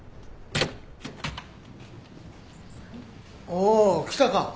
おー来たか。